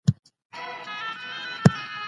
د عصبي حجرو وده حافظه او احساسات ښه کوي.